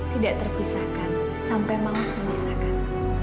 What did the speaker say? tidak terpisahkan sampai malam memisahkan